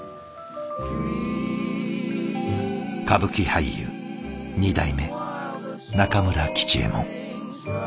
歌舞伎俳優二代目中村吉右衛門。